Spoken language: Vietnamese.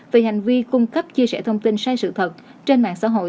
về hành vi cung cấp chia sẻ thông tin sai sự thật trên mạng xã hội